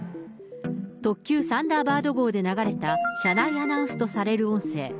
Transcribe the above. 特急サンダーバード号で流れた車内アナウンスとされる音声。